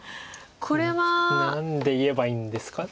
これは。何て言えばいいんですか。